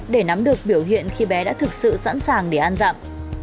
để nắm được biểu hiện khi bé đã thực sự sẵn sàng để ăn giảm